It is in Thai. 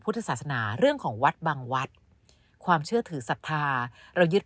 ศาสนาเรื่องของวัดบางวัดความเชื่อถือศรัทธาเรายึด